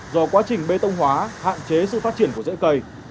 do quá trình bê tông hóa hạn chế sự phát triển của dễ cây